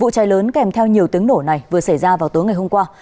vụ cháy lớn kèm theo nhiều tiếng nổ này vừa xảy ra vào tối ngày hôm qua